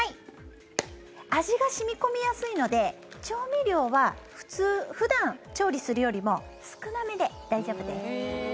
味が染み込みやすいので調味料は普段、調理するよりも少なめで大丈夫です。